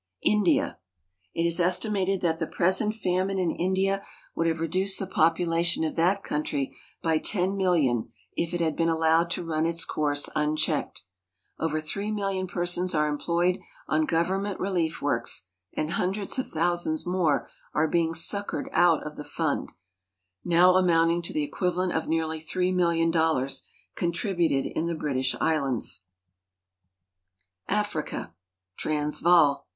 India. It is estimated that the present famine in India would have reduced the population of that country by 10,000,000 if it had been allowed to run its course unchecked. Over 3,000,000 persons are employed on government relief works, and hundreds of thousands more are being succored out of the fund (now amounting to the equivalent of nearly 18,000,000) contributed in the British Islands. AFRICA Transvaal.